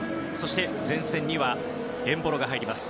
前線にはエンボロが入ります。